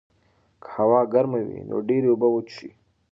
که هوا ګرمه وي، نو ډېرې اوبه وڅښئ.